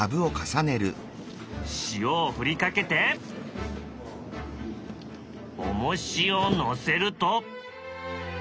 塩を振りかけておもしを載せると。